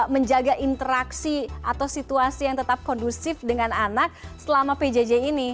menjaga interaksi atau situasi yang tetap kondusif dengan anak selama pjj ini